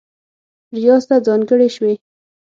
ریاض ته ځانګړې شوې